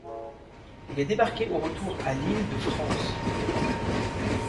Il est débarqué au retour à l'île de France.